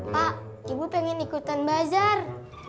pak ibu pengen ikutan bazar